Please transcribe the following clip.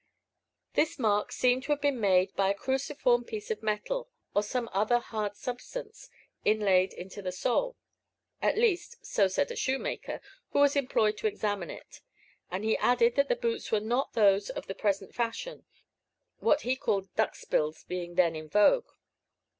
This mark seemed to have been made by a cruciform piece of metal, or some other hard substance, inlaid into the sole. At least, so said a shoemaker, who was employed to examine it; and he added that the boots were not those of the present fashion, what he called "duck's bills" being then in vogue.